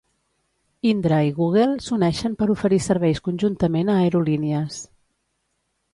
Indra i Google s'uneixen per oferir serveis conjuntament a aerolínies.